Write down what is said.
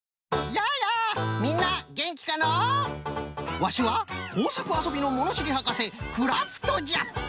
ワシは工作あそびのものしりはかせクラフトじゃ。